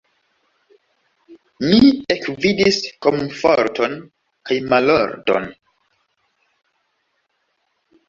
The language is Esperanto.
Mi ekvidis komforton kaj malordon.